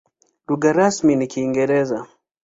Lugha rasmi ni Kiingereza.